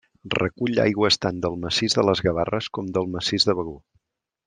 Recull aigües tant del massís de les Gavarres com del massís de Begur.